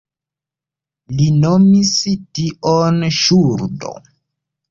Li nomis tion ŝuldo.